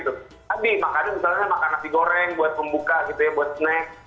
jadi makannya misalnya makan nasi goreng buat pembuka gitu ya buat snack